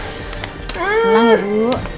tenang ya ibu